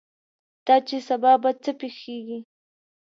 دا چې سبا به څه پېښېږي.